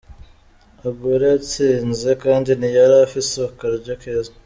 Aguero yatsinze kandi ntiyari afise akaryo keza.